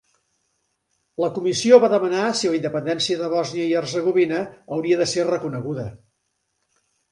La Comissió va demanar si la independència de Bòsnia i Hercegovina hauria de ser reconeguda.